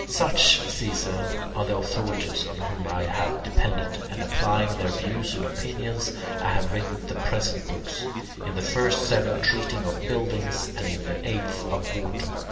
Such, Caesar, are the authorities on whom I have depended, and applying their views and opinions I have written the present books, in the first seven treating of buildings and in the eighth of water.